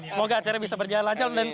semoga acara bisa berjalan lancar